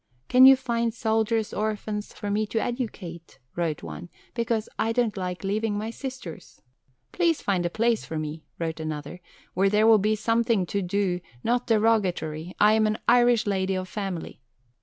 "Can you find soldiers' orphans for me to educate," wrote one, "because I don't like leaving my sisters?" "Please find a place for me," wrote another, "where there will be something to do not derogatory. I am an Irish lady of family."